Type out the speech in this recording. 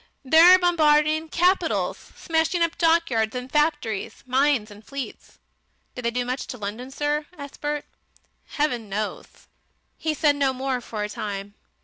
They're bombarding capitals, smashing up dockyards and factories, mines and fleets." "Did they do much to London, sir?" asked Bert. "Heaven knows...." He said no more for a time.